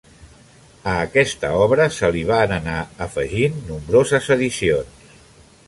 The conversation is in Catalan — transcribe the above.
A aquesta obra se li van anar afegint nombroses edicions.